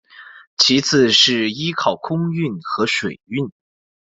其次是依靠空运和水运。